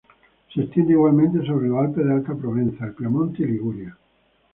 Se extienden igualmente sobre los Alpes de Alta Provenza, el Piamonte y Liguria.